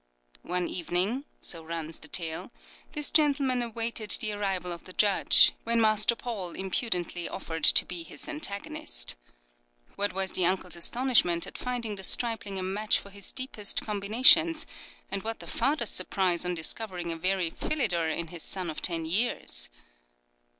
One evening so runs the tale this gentleman awaited the arrival of the Judge, when Master Paul impudently offered to be his antagonist. What was the uncle's astonishment at finding the stripling a match for his deepest combinations, and what the father's surprise on discovering a very Philidor in his son of ten years!